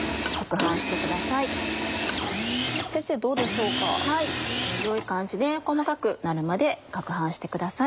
はい良い感じで細かくなるまで攪拌してください。